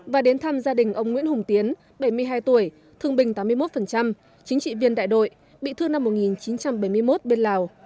và đến thăm gia đình ông nguyễn hùng tiến bảy mươi hai tuổi thương bình tám mươi một chính trị viên đại đội bị thương năm một nghìn chín trăm bảy mươi một bên lào